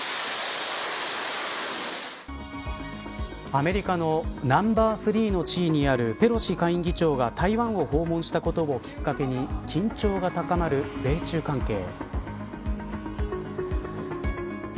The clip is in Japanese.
アメリカのナンバー３の地位にあるペロシ下院議長が台湾を訪問したことをきっかけに緊張が高まる米中関係。